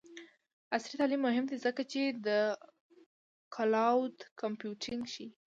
عصري تعلیم مهم دی ځکه چې د کلاؤډ کمپیوټینګ ښيي.